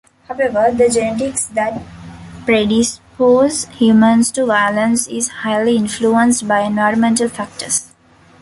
However, the genetics that predispose humans to violence is highly influenced by environmental factors.